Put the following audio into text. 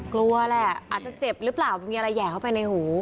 กลัวแหละอาจจะเจ็บหรือเปล่ามีอะไรแห่เข้าไปในหู